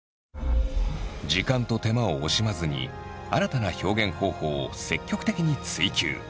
時間と手間を惜しまずに新たな表現方法を積極的に追求。